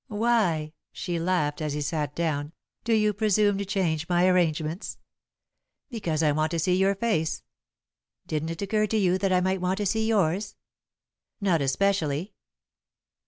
"Why," she laughed, as he sat down, "do you presume to change my arrangements?" "Because I want to see your face." [Sidenote: Effect of Moonlight] "Didn't it occur to you that I might want to see yours?" "Not especially."